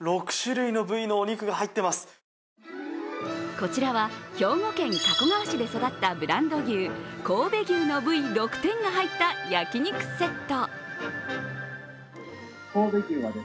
こちらは兵庫県加古川市で育ったブランド牛、神戸牛の部位６点が入った焼き肉セット。